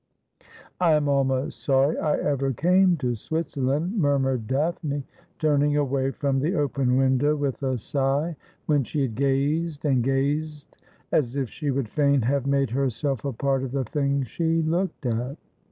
' I am almost sorry I ever came to Switzerland,' murmured Daphne, turning away from the open window with a sigh, when she had gazed, and gazed, as if she would fain have made herself a part of the thing she looked at.